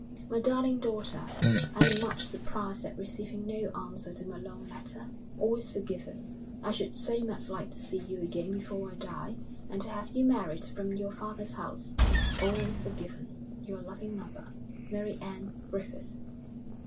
'_MY DARLING DAUGHTER, I am much surprised at receiving no answer to my long letter. All is forgiven. I should so much like to see you again before I die, and to have you married from your father's house. All is forgiven. Your loving mother,_ '_MARY ANN GRIFFITH.